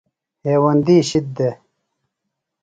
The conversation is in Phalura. ہیوندی شِد دےۡ۔